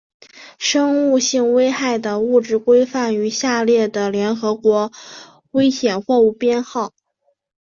生物性危害的物质规范于下列的联合国危险货物编号